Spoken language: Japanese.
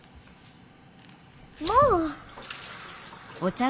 もう！